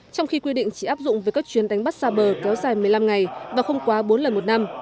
trong khi quy định chỉ áp dụng với các chuyến đánh bắt xa bờ kéo dài một mươi năm ngày và không quá bốn lần một năm